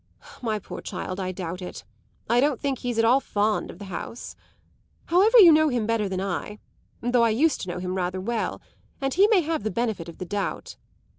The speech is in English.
My poor child, I doubt it; I don't think he's at all fond of the house. However, you know him better than I, though I used to know him rather well, and he may have the benefit of the doubt.